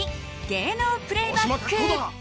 芸能プレイバック。